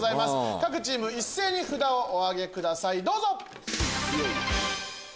各チーム一斉に札をお挙げくださいどうぞ！